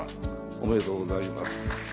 おめでとうございます。